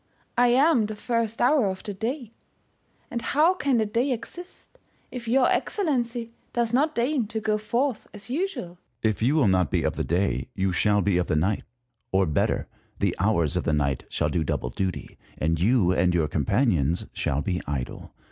I am the first Hour of the day, and how can the day exist, if your Excellency does not deign to go forth as usual ? Sun. If you will not be of the day, you shall be of the night; or better, the hours of the night shall do i68 COPERNICUS. double duty, and you and your companions shall be idle.